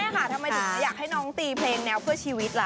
ทำไมถึงอยากให้น้องตีเพลงแนวเพื่อชีวิตล่ะ